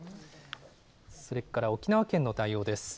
それから沖縄県の対応です。